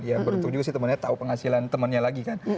ya beruntung juga sih temennya tau penghasilan temennya lagi kan